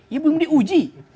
ya belum diuji